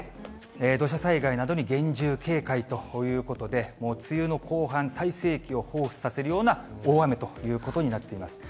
土砂災害などに厳重警戒ということで、もう梅雨の後半、最盛期をほうふつとさせるような大雨ということになっています。